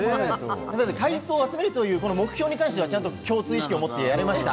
海藻を集めるという目標に関しては共通意識を持ってやりました。